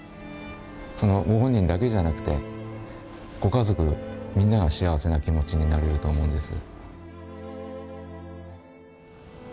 そのご本人だけじゃなくてご家族みんなが幸せな気持ちになれると思うんです。